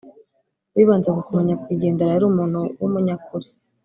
bibanze ku kuntu nyakwigendera yari umuntu w’umunyakuri